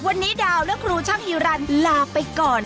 วันนี้ดาวและครูช่างฮีรันลาไปก่อน